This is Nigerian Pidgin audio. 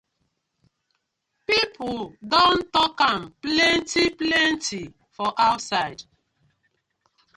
Pipu don tok am plenty plenty for outside.